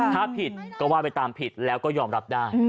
ถ้าผิดก็ว่าไปตามผิดแล้วก็ยอมรับได้